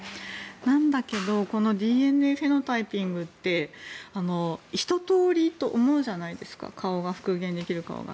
なんだけどこのＤＮＡのフェノタイピングってひと通りと思うじゃないですか復元できる顔が。